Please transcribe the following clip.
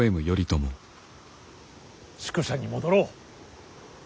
宿所に戻ろう。